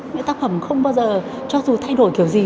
những tác phẩm không bao giờ cho dù thay đổi kiểu gì